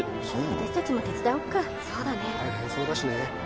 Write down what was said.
私達も手伝おっかそうだね大変そうだしね